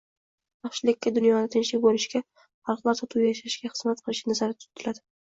yaxshilikka, dunyoda tinchlik bo‘lishiga, xalqlar totuv yashashiga xizmat qilishi nazarda tutiladi.